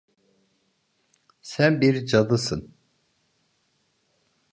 Sen bir cadısın.